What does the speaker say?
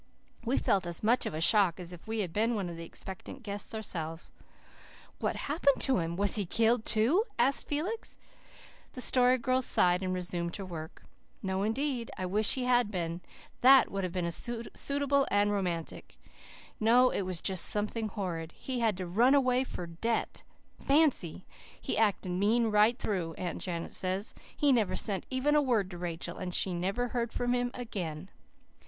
We felt as much of a shock as if we had been one of the expectant guests ourselves. "What happened to him? Was HE killed too?" asked Felix. The Story Girl sighed and resumed her work. "No, indeed. I wish he had been. THAT would have been suitable and romantic. No, it was just something horrid. He had to run away for debt! Fancy! He acted mean right through, Aunt Janet says. He never sent even a word to Rachel, and she never heard from him again."